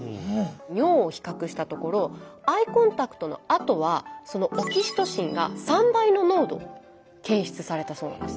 尿を比較したところアイコンタクトのあとはそのオキシトシンが３倍の濃度検出されたそうなんです。